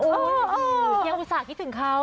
โอ้โฮอยากอุตส่าห์คิดถึงเขา